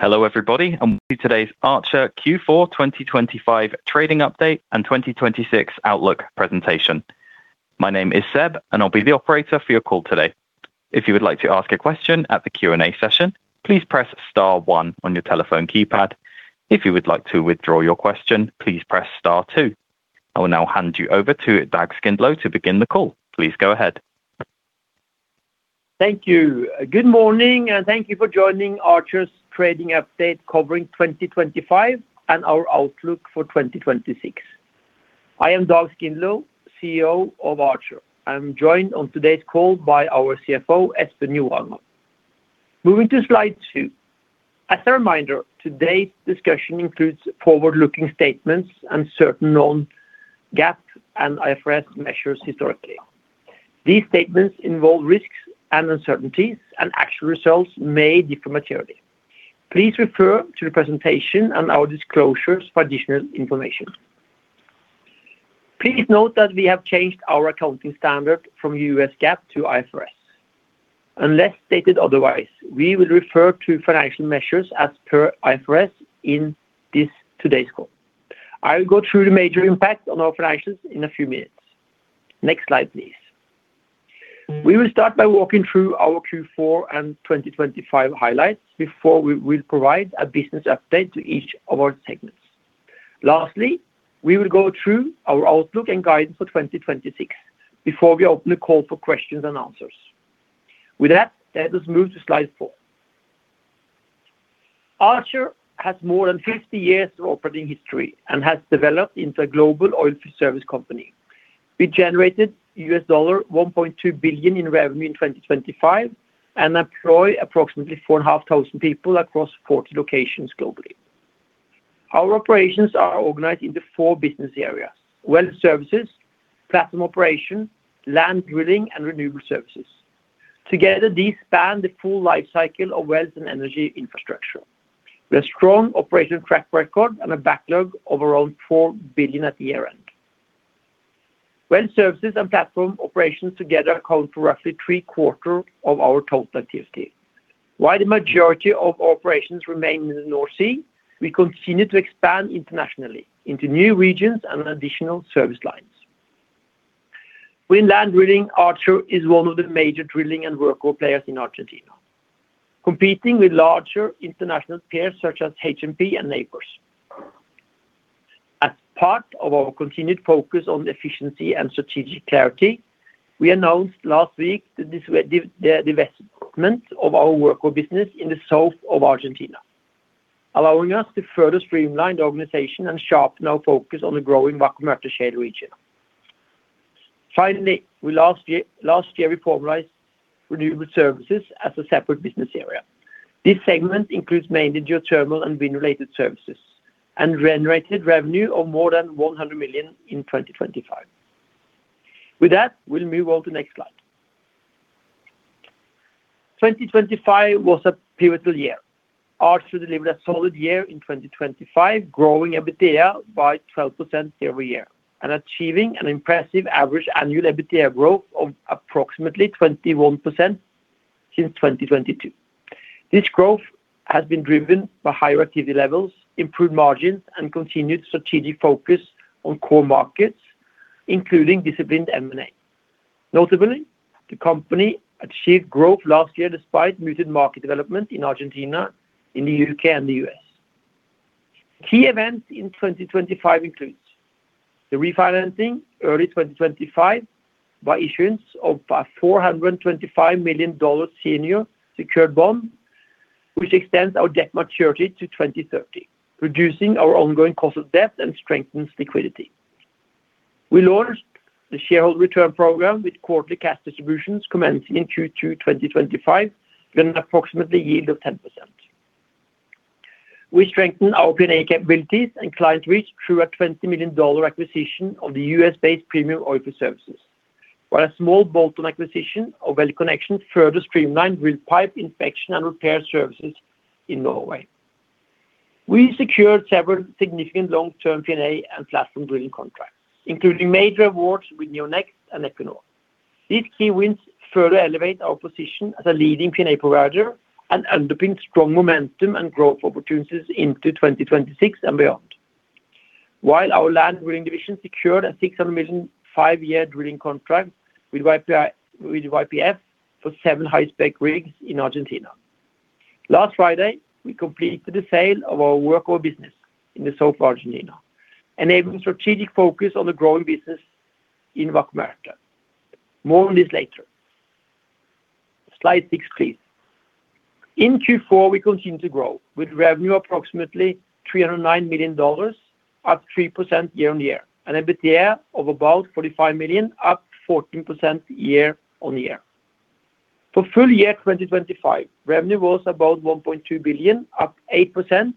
Hello, everybody, and welcome to today's Archer Q4 2025 trading update and 2026 outlook presentation. My name is Seb, and I'll be the operator for your call today. If you would like to ask a question at the Q&A session, please press star one on your telephone keypad. If you would like to withdraw your question, please press star two. I will now hand you over to Dag Skindlo to begin the call. Please go ahead. Thank you. Good morning, and thank you for joining Archer's trading update covering 2025 and our outlook for 2026. I am Dag Skindlo, CEO of Archer. I'm joined on today's call by our CFO, Espen Joranger. Moving to slide 2. As a reminder, today's discussion includes forward-looking statements and certain non-GAAP and IFRS measures historically. These statements involve risks and uncertainties, and actual results may differ materially. Please refer to the presentation and our disclosures for additional information. Please note that we have changed our accounting standard from U.S. GAAP to IFRS. Unless stated otherwise, we will refer to financial measures as per IFRS in this today's call. I will go through the major impact on our finances in a few minutes. Next slide, please. We will start by walking through our Q4 and 2025 highlights before we will provide a business update to each of our segments. Lastly, we will go through our outlook and guidance for 2026 before we open the call for questions and answers. With that, let us move to slide 4. Archer has more than 50 years of operating history and has developed into a global oil service company. We generated $1.2 billion in revenue in 2025 and employ approximately 4,500 people across 40 locations globally. Our operations are organized into 4 business areas: well services, platform operation, land drilling, and renewable services. Together, these span the full life cycle of wells and energy infrastructure, with a strong operation track record and a backlog of around $4 billion at the year-end. Well services and platform operations together account for roughly three quarters of our total activity. While the majority of operations remain in the North Sea, we continue to expand internationally into new regions and additional service lines. With land drilling, Archer is one of the major drilling and workover players in Argentina, competing with larger international peers such as H&P and Nabors. As part of our continued focus on efficiency and strategic clarity, we announced last week the divestment of our workover business in the south of Argentina, allowing us to further streamline the organization and sharpen our focus on the growing Vaca Muerta shale region. Finally, we last year formalized renewable services as a separate business area. This segment includes mainly geothermal and wind-related services, and generated revenue of more than $100 million in 2025. With that, we'll move on to the next slide. 2025 was a pivotal year. Archer delivered a solid year in 2025, growing EBITDA by 12% year-over-year and achieving an impressive average annual EBITDA growth of approximately 21% since 2022. This growth has been driven by higher activity levels, improved margins, and continued strategic focus on core markets, including disciplined M&A. Notably, the company achieved growth last year despite muted market development in Argentina, in the U.K., and the U.S. Key events in 2025 includes the refinancing early 2025 by issuance of a $425 million senior secured bond, which extends our debt maturity to 2030, reducing our ongoing cost of debt and strengthens liquidity. We launched the shareholder return program with quarterly cash distributions commencing in Q2 2025, with an approximately yield of 10%. We strengthened our P&A capabilities and client reach through a $20 million acquisition of the U.S.-based Premium Oilfield Services, while a small bolt-on acquisition of WellConnection further streamlined well pipe inspection and repair services in Norway. We secured several significant long-term P&A and platform drilling contracts, including major awards with NEO Energy and Equinor. These key wins further elevate our position as a leading P&A provider and underpin strong momentum and growth opportunities into 2026 and beyond. While our land drilling division secured a $600 million five-year drilling contract with YPF for seven high-spec rigs in Argentina. Last Friday, we completed the sale of our workover business in southern Argentina, enabling strategic focus on the growing business in Vaca Muerta. More on this later. Slide 6, please. In Q4, we continued to grow, with revenue approximately $309 million, up 3% year-on-year, and EBITDA of about $45 million, up 14% year-on-year. For full year 2025, revenue was about $1.2 billion, up 8%,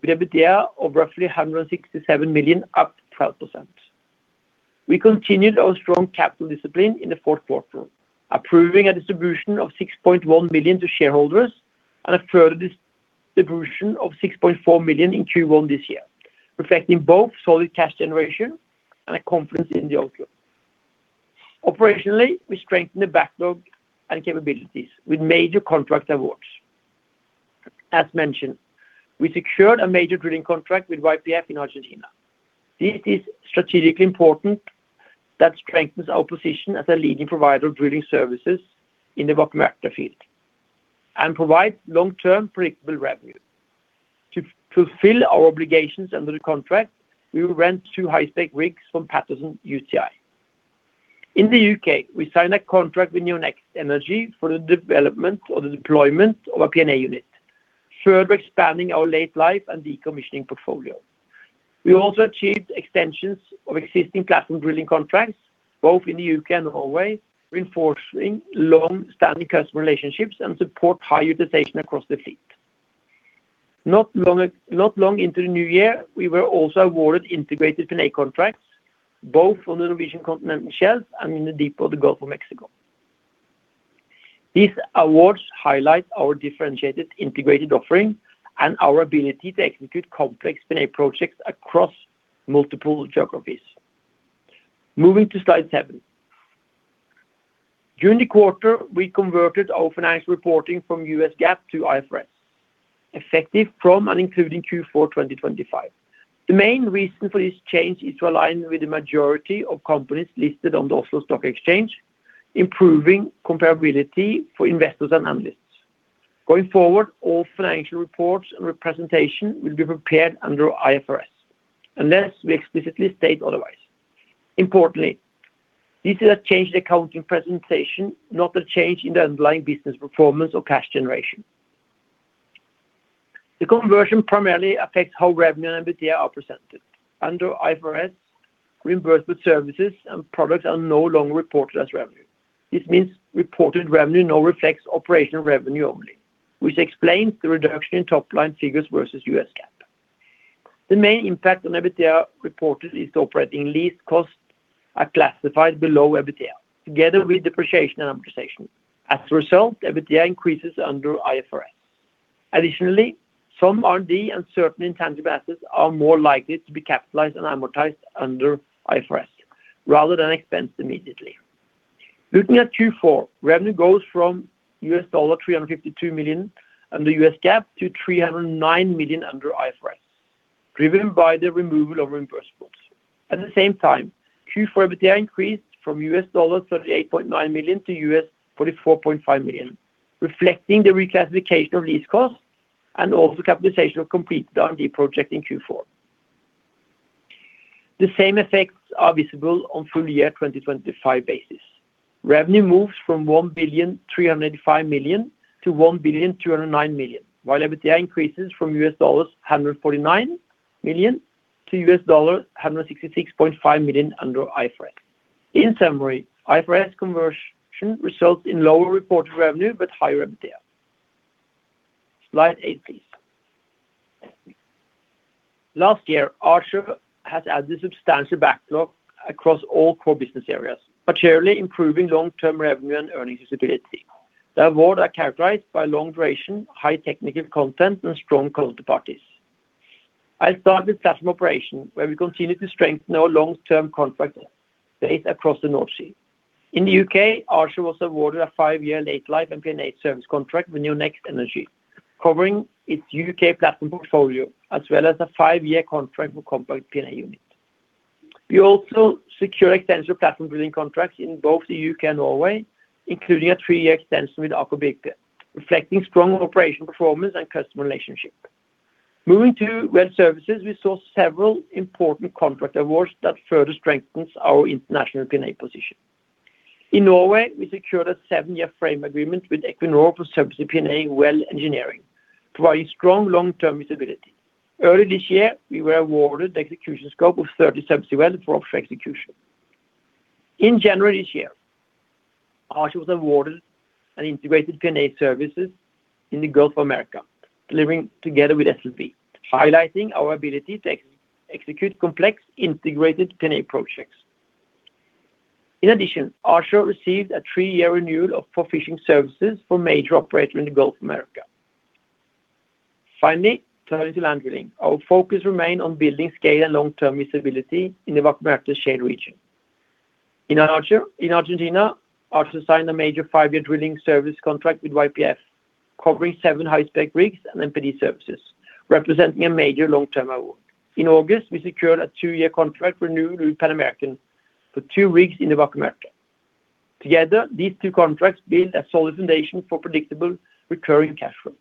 with EBITDA of roughly $167 million, up 12%. We continued our strong capital discipline in the fourth quarter, approving a distribution of $6.1 million to shareholders and a further distribution of $6.4 million in Q1 this year, reflecting both solid cash generation and a confidence in the outlook. Operationally, we strengthen the backlog and capabilities with major contract awards. As mentioned, we secured a major drilling contract with YPF in Argentina. This is strategically important that strengthens our position as a leading provider of drilling services in the Vaca Muerta field, and provides long-term predictable revenue. To fulfill our obligations under the contract, we will rent 2 high-spec rigs from Patterson-UTI. In the U.K., we signed a contract with NEO Energy for the development or the deployment of a P&A unit, further expanding our late-life and decommissioning portfolio. We also achieved extensions of existing platform drilling contracts, both in the U.K. and Norway, reinforcing long-standing customer relationships and support high utilization across the fleet. Not long into the new year, we were also awarded integrated P&A contracts, both on the Norwegian Continental Shelf and in the Deepwater Gulf of Mexico. These awards highlight our differentiated integrated offering and our ability to execute complex P&A projects across multiple geographies. Moving to slide 7. During the quarter, we converted our financial reporting from U.S. GAAP to IFRS, effective from and including Q4 2025. The main reason for this change is to align with the majority of companies listed on the Oslo Stock Exchange, improving comparability for investors and analysts. Going forward, all financial reports and representation will be prepared under IFRS, unless we explicitly state otherwise. Importantly, this is a change in accounting presentation, not a change in the underlying business performance or cash generation. The conversion primarily affects how revenue and EBITDA are presented. Under IFRS, reimbursed services and products are no longer reported as revenue. This means reported revenue now reflects operational revenue only, which explains the reduction in top-line figures versus U.S. GAAP. The main impact on EBITDA reported is operating lease costs are classified below EBITDA, together with depreciation and amortization. As a result, EBITDA increases under IFRS. Additionally, some R&D and certain intangible assets are more likely to be capitalized and amortized under IFRS, rather than expensed immediately. Looking at Q4, revenue goes from $352 million under U.S. GAAP to $309 million under IFRS, driven by the removal of reimbursements. At the same time, Q4 EBITDA increased from $38.9 million-$44.5 million, reflecting the reclassification of lease costs and also the capitalization of completed R&D project in Q4. The same effects are visible on full-year 2025 basis. Revenue moves from $1.385 billion-$1.209 billion, while EBITDA increases from $149 million-$166.5 million under IFRS. In summary, IFRS conversion results in lower reported revenue, but higher EBITDA. Slide 8, please. Last year, Archer has added substantial backlog across all core business areas, materially improving long-term revenue and earnings visibility. The awards are characterized by long duration, high technical content, and strong counterparties. I'll start with platform operations, where we continue to strengthen our long-term contract base across the North Sea. In the UK, Archer was awarded a 5-year late-life and P&A service contract with NEO Energy, covering its UK platform portfolio, as well as a 5-year contract for compact P&A unit. We also secure extensive platform drilling contracts in both the UK and Norway, including a 3-year extension with Aker BP, reflecting strong operation performance and customer relationship. Moving to Well Services, we saw several important contract awards that further strengthens our international P&A position. In Norway, we secured a 7-year frame agreement with Equinor for subsea P&A well engineering, providing strong long-term visibility. Early this year, we were awarded the execution scope of 30 subsea well for offshore execution. In January this year, Archer was awarded an integrated P&A services in the Gulf of Mexico, delivering together with SLB, highlighting our ability to execute complex integrated P&A projects. In addition, Archer received a 3-year renewal of platform services for major operator in the Gulf of Mexico. Finally, turning to land drilling. Our focus remains on building scale and long-term visibility in the Vaca Muerta shale region. In Argentina, Archer signed a major 5-year drilling service contract with YPF, covering 7 high-spec rigs and MPD services, representing a major long-term award. In August, we secured a 2-year contract renewal with Pan American for 2 rigs in the Vaca Muerta. Together, these two contracts build a solid foundation for predictable recurring cash flow.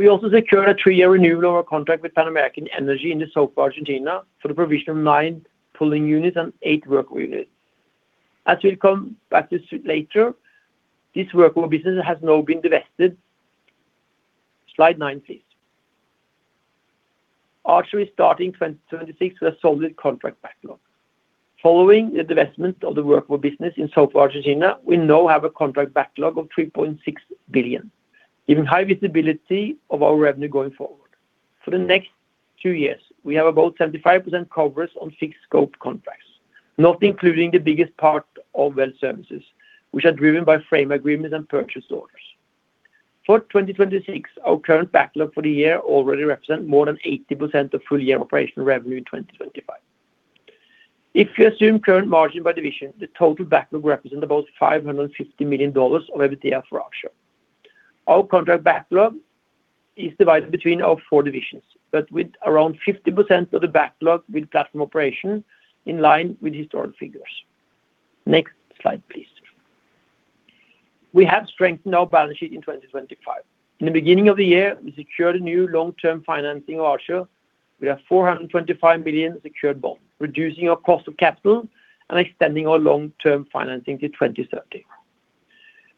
We also secured a 3-year renewal of our contract with Pan American Energy in the south of Argentina for the provision of 9 pulling units and 8 workover units. As we'll come back to this later, this workover business has now been divested. Slide 9, please. Archer is starting 2026 with a solid contract backlog. Following the divestment of the workover business in southern Argentina, we now have a contract backlog of $3.6 billion, giving high visibility of our revenue going forward. For the next 2 years, we have about 75% coverage on fixed scope contracts, not including the biggest part of well services, which are driven by frame agreements and purchase orders. For 2026, our current backlog for the year already represent more than 80% of full-year operational revenue in 2025. If you assume current margin by division, the total backlog represent about $550 million of EBITDA for Archer. Our contract backlog is divided between our four divisions, but with around 50% of the backlog with platform operation in line with historic figures. Next slide, please. We have strengthened our balance sheet in 2025. In the beginning of the year, we secured a new long-term financing Archer. We have $425 million secured bond, reducing our cost of capital and extending our long-term financing to 2030.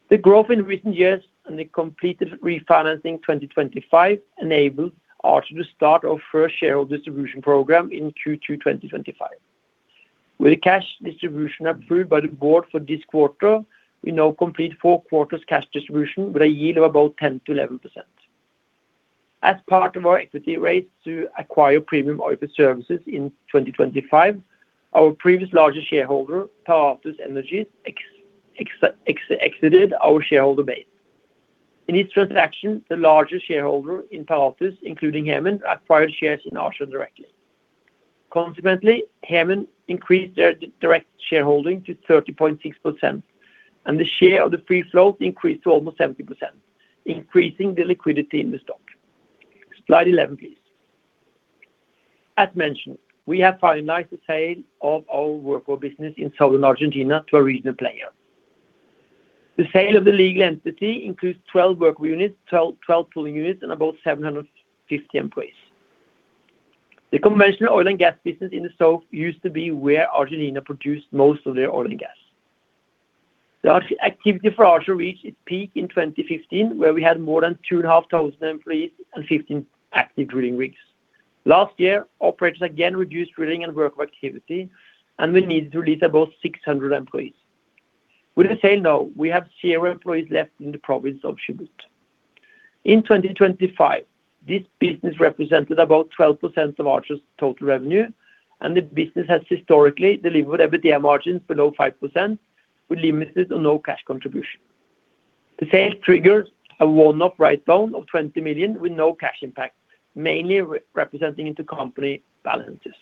The growth in recent years and the completed refinancing 2025 enabled Archer to start our first shareholder distribution program in Q2 2025. With the cash distribution approved by the board for this quarter, we now complete 4 quarters cash distribution with a yield of about 10%-11%. As part of our equity raise to acquire Premium Oilfield Services in 2025, our previous largest shareholder, Paratus Energy, exited our shareholder base. In this transaction, the largest shareholder in Paratus, including Hemen, acquired shares in Archer directly. Consequently, Hemen increased their direct shareholding to 30.6%, and the share of the free float increased to almost 70%, increasing the liquidity in the stock. Slide 11, please. As mentioned, we have finalized the sale of our workover business in southern Argentina to a regional player. The sale of the legal entity includes 12 workover units, 12 pulling units, and about 750 employees. The conventional oil and gas business in the South used to be where Argentina produced most of their oil and gas. The activity for Archer reached its peak in 2015, where we had more than 2,500 employees and 15 active drilling rigs. Last year, operators again reduced drilling and workover activity, and we needed to release about 600 employees. With the sale now, we have 0 employees left in the province of Chubut. In 2025, this business represented about 12% of Archer's total revenue, and the business has historically delivered EBITDA margins below 5%, with limited or no cash contribution. The sale triggered a one-off write-down of $20 million, with no cash impact, mainly re-representing intercompany balances.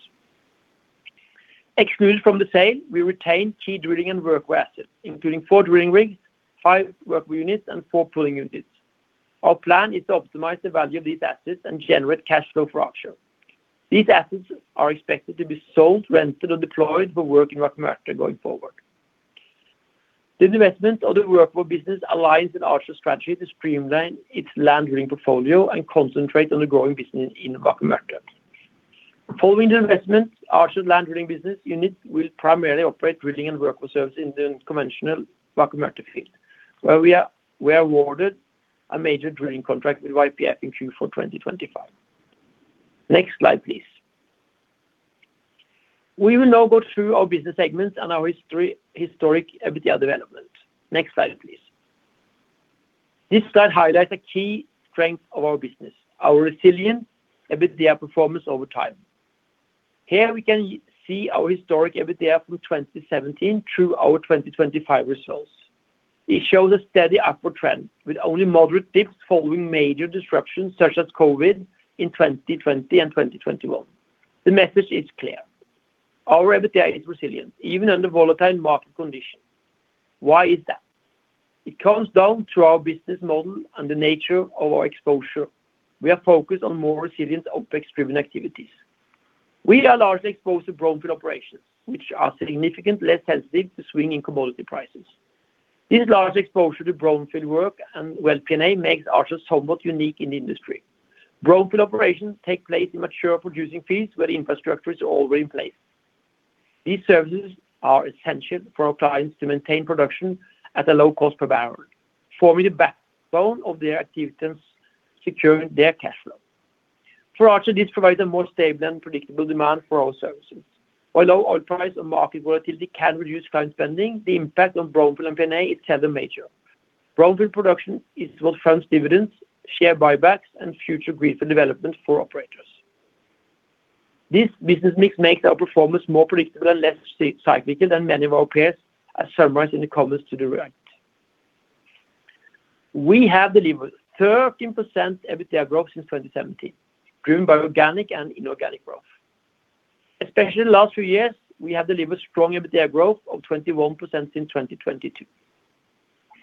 Excluded from the sale, we retained key drilling and workover assets, including 4 drilling rigs, 5 workover units, and 4 pulling units. Our plan is to optimize the value of these assets and generate cash flow for Archer. These assets are expected to be sold, rented, or deployed for work in Vaca Muerta going forward. The divestment of the workover business aligns with Archer's strategy to streamline its land drilling portfolio and concentrate on the growing business in Vaca Muerta. Following the divestment, Archer's land drilling business unit will primarily operate drilling and workover services in the conventional Vaca Muerta field, where we are, we are awarded a major drilling contract with YPF in Q4 2025. Next slide, please. We will now go through our business segments and our history, historic EBITDA development. Next slide, please. This slide highlights a key strength of our business, our resilient EBITDA performance over time. Here we can see our historic EBITDA from 2017 through our 2025 results. It shows a steady upward trend, with only moderate dips following major disruptions, such as COVID in 2020 and 2021. The message is clear: Our EBITDA is resilient, even under volatile market conditions. Why is that? It comes down to our business model and the nature of our exposure. We are focused on more resilient, OpEx-driven activities. We are largely exposed to brownfield operations, which are significantly less sensitive to swing in commodity prices. This large exposure to brownfield work and well P&A makes Archer somewhat unique in the industry. Brownfield operations take place in mature producing fields where infrastructure is already in place. These services are essential for our clients to maintain production at a low cost per barrel, forming the backbone of their activities, securing their cash flow. For Archer, this provides a more stable and predictable demand for our services. While low oil price and market volatility can reduce client spending, the impact on brownfield and P&A is seldom major. Brownfield production is what funds dividends, share buybacks, and future greenfield development for operators. This business mix makes our performance more predictable and less cyclical than many of our peers, as summarized in the comments to the right. We have delivered 13% EBITDA growth since 2017, driven by organic and inorganic growth. Especially the last few years, we have delivered strong EBITDA growth of 21% since 2022.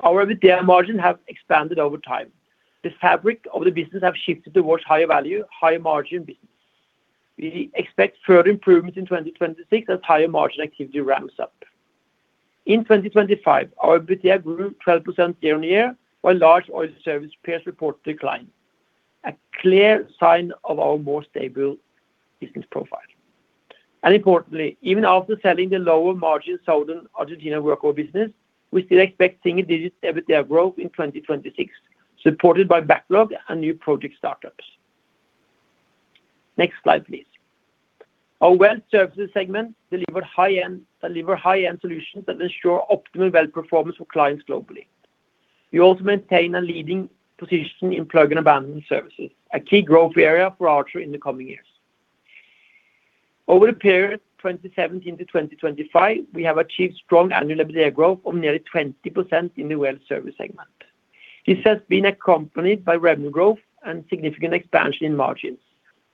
Our EBITDA margins have expanded over time. The fabric of the business have shifted towards higher value, higher margin business. We expect further improvement in 2026 as higher margin activity ramps up. In 2025, our EBITDA grew 12% year-on-year, while large oil service peers report decline, a clear sign of our more stable business profile. And importantly, even after selling the lower-margin Southern Argentina workover business, we still expect single-digit EBITDA growth in 2026, supported by backlog and new project startups. Next slide, please. Our well services segment delivered high-end, deliver high-end solutions that ensure optimal well performance for clients globally. We also maintain a leading position in plug and abandonment services, a key growth area for Archer in the coming years. Over the period 2017 to 2025, we have achieved strong annual growth of nearly 20% in the well service segment. This has been accompanied by revenue growth and significant expansion in margins,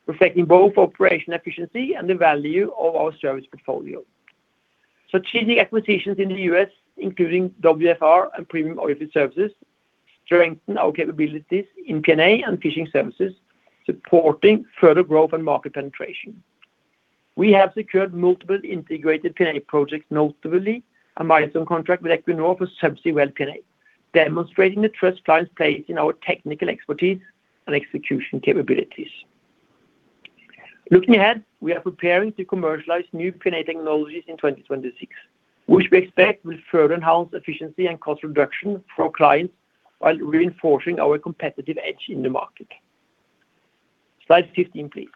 reflecting both operational efficiency and the value of our service portfolio. Strategic acquisitions in the U.S., including WFR and Premium Oilfield Services, strengthen our capabilities in P&A and fishing services, supporting further growth and market penetration. We have secured multiple integrated P&A projects, notably a milestone contract with Equinor for subsea well P&A, demonstrating the trust clients place in our technical expertise and execution capabilities. Looking ahead, we are preparing to commercialize new P&A technologies in 2026, which we expect will further enhance efficiency and cost reduction for our clients while reinforcing our competitive edge in the market. Slide 15, please.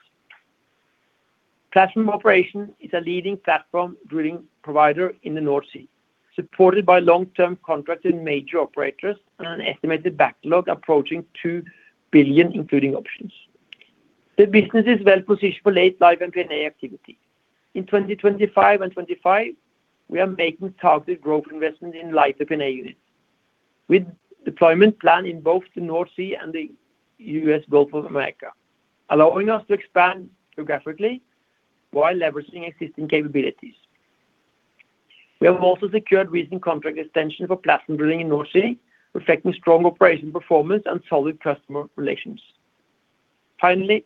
Platform operation is a leading platform drilling provider in the North Sea, supported by long-term contracts and major operators and an estimated backlog approaching $2 billion, including options. The business is well-positioned for late life and P&A activity. In 2025 and 2025, we are making targeted growth investment in lighter P&A units, with deployment plan in both the North Sea and the U.S. Gulf of Mexico, allowing us to expand geographically while leveraging existing capabilities. We have also secured recent contract extension for platform drilling in North Sea, reflecting strong operation performance and solid customer relations. Finally,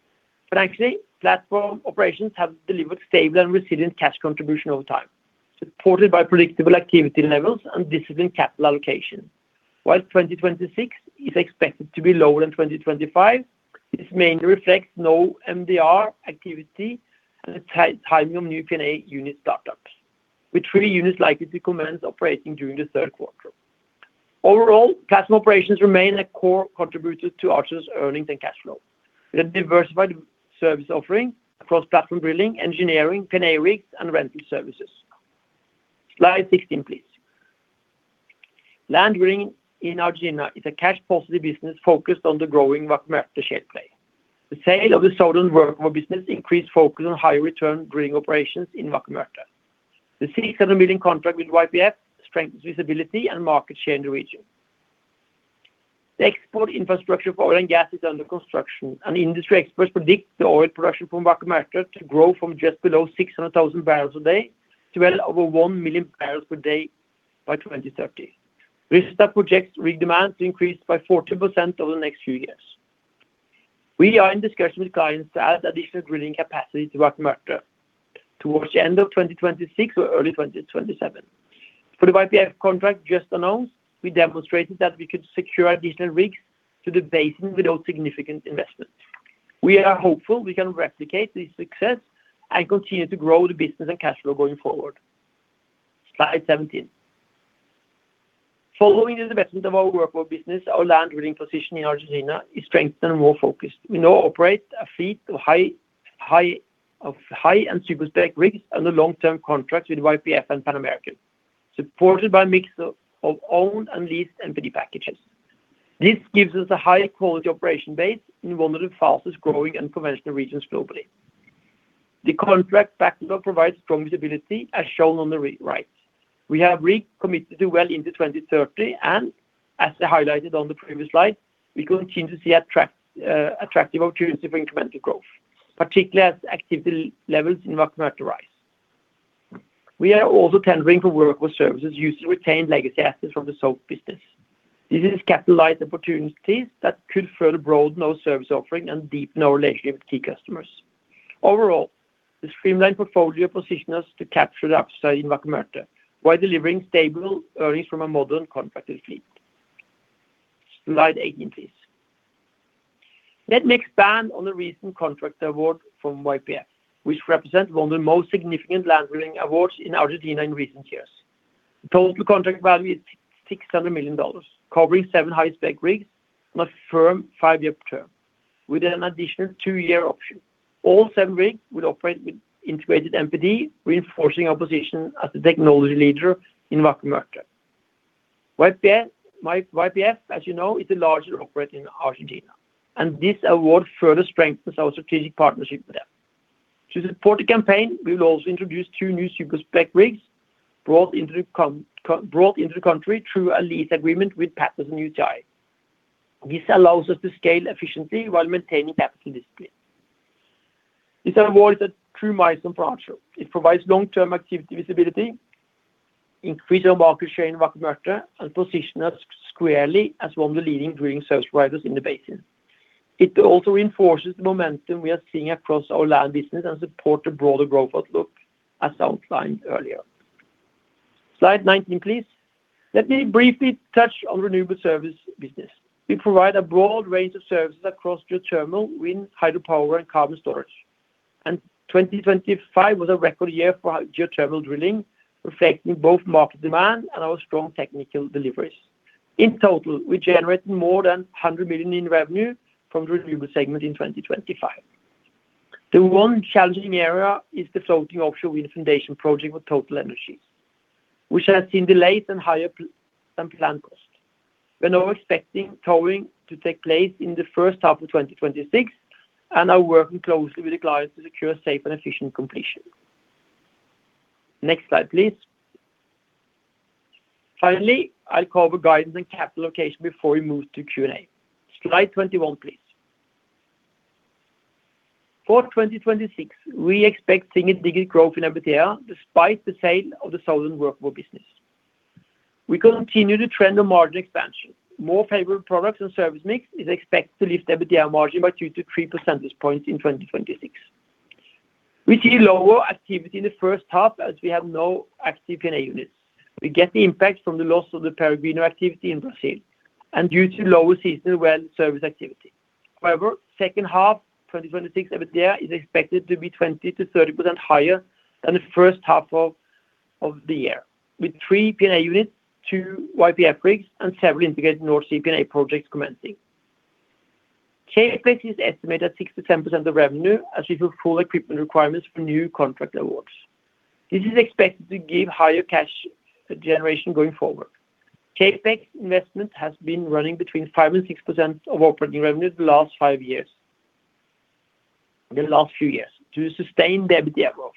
frankly, platform operations have delivered stable and resilient cash contribution over time, supported by predictable activity levels and disciplined capital allocation. While 2026 is expected to be lower than 2025, this mainly reflects no MDR activity and the timing of new P&A unit startups, with three units likely to commence operating during the third quarter. Overall, platform operations remain a core contributor to Archer's earnings and cash flow, with a diversified service offering across platform drilling, engineering, P&A rigs, and rental services. Slide 16, please. Land drilling in Argentina is a cash-positive business focused on the growing Vaca Muerta play. The sale of the Southern work business increased focus on higher return drilling operations in Vaca Muerta. The $600 million contract with YPF strengthens visibility and market share in the region. The export infrastructure for oil and gas is under construction, and industry experts predict the oil production from Vaca Muerta to grow from just below 600,000 barrels a day to well over 1 million barrels per day by 2030. This is that projects rig demand to increase by 40% over the next few years. We are in discussion with clients to add additional drilling capacity to Vaca Muerta towards the end of 2026 or early 2027. For the YPF contract just announced, we demonstrated that we could secure additional rigs to the basin without significant investment. We are hopeful we can replicate this success and continue to grow the business and cash flow going forward. Slide 17. Following the development of our workover business, our land drilling position in Argentina is strengthened and more focused. We now operate a fleet of high-spec and super-spec rigs under long-term contracts with YPF and Pan American, supported by a mix of owned and leased MPD packages. This gives us a high-quality operation base in one of the fastest-growing and unconventional regions globally. The contract backlog provides strong visibility, as shown on the right. We have commitments well into 2030, and as I highlighted on the previous slide, we continue to see attractive opportunities for incremental growth, particularly as activity levels in Vaca Muerta rise. We are also tendering for work with services used to retain legacy assets from the sold business. This capitalizes opportunities that could further broaden our service offering and deepen our relationship with key customers. Overall, the streamlined portfolio positions us to capture the upside in Vaca Muerta while delivering stable earnings from a modern contracted fleet. Slide 18, please. Let me expand on the recent contract award from YPF, which represents one of the most significant land drilling awards in Argentina in recent years. The total contract value is $600 million, covering 7 high-spec rigs on a firm 5-year term, with an additional 2-year option. All 7 rigs will operate with integrated MPD, reinforcing our position as the technology leader in Vaca Muerta. YPF, Y-YPF, as you know, is the largest operator in Argentina, and this award further strengthens our strategic partnership with them. To support the campaign, we will also introduce 2 new super-spec rigs brought into the country through a lease agreement with Patterson-UTI. This allows us to scale efficiently while maintaining capital discipline. This award is a true milestone for Archer. It provides long-term activity visibility, increase our market share in Vaca Muerta, and position us squarely as one of the leading drilling service providers in the basin. It also reinforces the momentum we are seeing across our land business and support the broader growth outlook, as outlined earlier. Slide 19, please. Let me briefly touch on renewable service business. We provide a broad range of services across geothermal, wind, hydropower, and carbon storage. 2025 was a record year for our geothermal drilling, reflecting both market demand and our strong technical deliveries. In total, we generated more than $100 million in revenue from the renewable segment in 2025. The one challenging area is the floating offshore wind foundation project with TotalEnergies, which has seen delays and higher than planned costs. We're now expecting towing to take place in the first half of 2026, and are working closely with the clients to secure a safe and efficient completion. Next slide, please. Finally, I'll cover guidance and capital allocation before we move to Q&A. Slide 21, please. For 2026, we expect single-digit growth in EBITDA despite the sale of the Southern workover business. We continue to trend on margin expansion. More favorable products and service mix is expected to lift EBITDA margin by 2-3 percentage points in 2026. We see lower activity in the first half as we have no active P&A units. We get the impact from the loss of the Peregrino activity in Brazil and due to lower seasonal well service activity. However, second half 2026, EBITDA is expected to be 20%-30% higher than the first half of the year, with 3 P&A units, 2 YPF rigs, and several integrated North Sea P&A projects commencing. CapEx is estimated at 6%-10% of revenue as we build full equipment requirements for new contract awards. This is expected to give higher cash generation going forward. CapEx investment has been running between 5%-6% of operating revenue the last 5 years, in the last few years to sustain the EBITDA growth.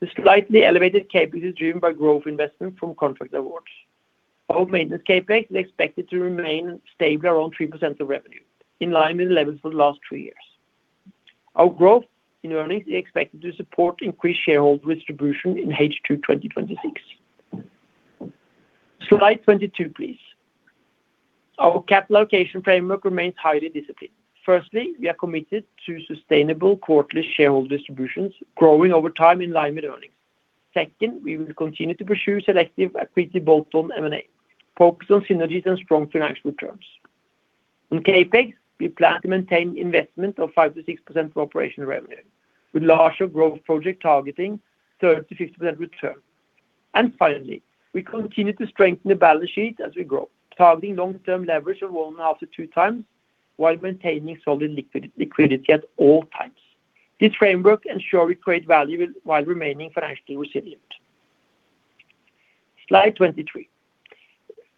The slightly elevated CapEx is driven by growth investment from contract awards. Our maintenance CapEx is expected to remain stable around 3% of revenue, in line with levels for the last 3 years. Our growth in earnings is expected to support increased shareholder distribution in H2 2026. Slide 22, please. Our capital allocation framework remains highly disciplined. Firstly, we are committed to sustainable quarterly shareholder distributions, growing over time in line with earnings. Second, we will continue to pursue selective, accretive bolt-on M&A, focused on synergies and strong financial terms. On CapEx, we plan to maintain investment of 5%-6% of operational revenue, with larger growth project targeting 30%-50% return. And finally, we continue to strengthen the balance sheet as we grow, targeting long-term leverage of 1.5-2 times, while maintaining solid liquidity, liquidity at all times. This framework ensure we create value while remaining financially resilient. Slide 23.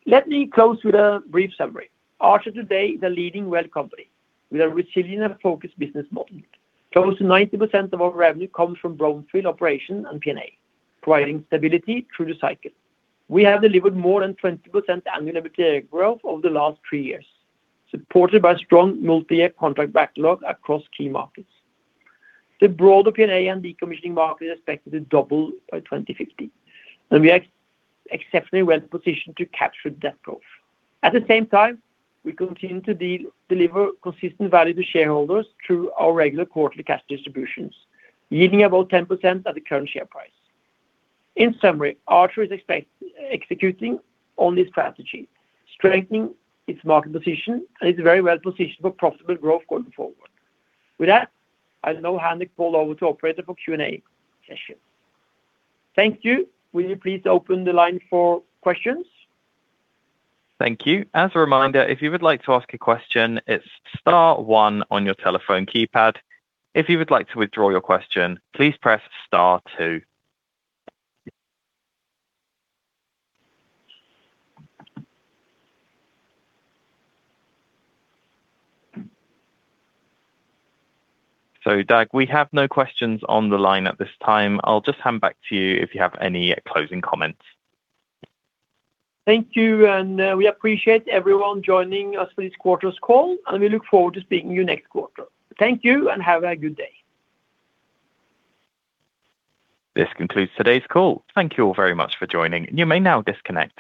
Let me close with a brief summary. Archer today is a leading well company with a resilient and focused business model. Close to 90% of our revenue comes from brownfield operation and P&A, providing stability through the cycle. We have delivered more than 20% annual EBITDA growth over the last 3 years, supported by strong multi-year contract backlog across key markets. The broader P&A and decommissioning market is expected to double by 2050, and we are exceptionally well positioned to capture that growth. At the same time, we continue to deliver consistent value to shareholders through our regular quarterly cash distributions, yielding about 10% at the current share price. In summary, Archer is executing on this strategy, strengthening its market position, and is very well positioned for profitable growth going forward. With that, I will now hand the call over to operator for Q&A session. Thank you. Will you please open the line for questions? Thank you. As a reminder, if you would like to ask a question, it's star one on your telephone keypad. If you would like to withdraw your question, please press star two. So, Dag, we have no questions on the line at this time. I'll just hand back to you if you have any closing comments. Thank you, and we appreciate everyone joining us for this quarter's call, and we look forward to speaking to you next quarter. Thank you, and have a good day. This concludes today's call. Thank you all very much for joining. You may now disconnect.